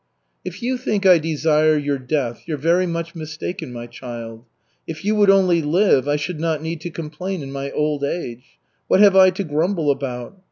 "If you think I desire your death, you're very much mistaken, my child. If you would only live I should not need to complain in my old age. What have I to grumble about?